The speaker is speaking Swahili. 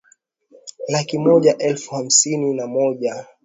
laki moja elfu hamsini na moja